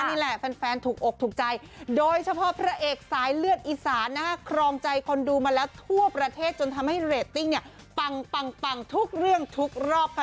นี่แหละแฟนถูกอกถูกใจโดยเฉพาะพระเอกสายเลือดอีสานนะคะครองใจคนดูมาแล้วทั่วประเทศจนทำให้เรตติ้งเนี่ยปังปังทุกเรื่องทุกรอบค่ะ